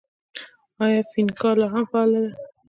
آیا فینکا لا هم فعاله ده؟